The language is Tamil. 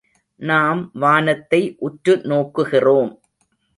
நாம் வானத்தை உற்று நோக்குகிறோம்.